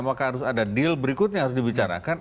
maka harus ada deal berikutnya harus dibicarakan